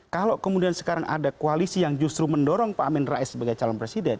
kalau kemudian sekarang ada koalisi yang justru mendorong pak amin rais sebagai calon presiden